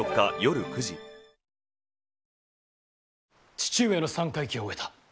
父上の三回忌を終えた。